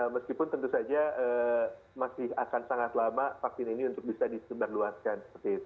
meskipun tentu saja masih akan sangat lama vaksin ini untuk bisa disebarluaskan